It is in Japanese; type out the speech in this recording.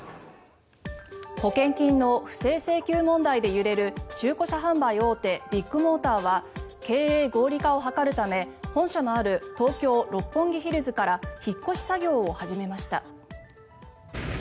保険金の不正請求問題で揺れる中古車販売大手ビッグモーターは経営合理化を図るため本社のある東京・六本木ヒルズから引っ越し作業を始めました。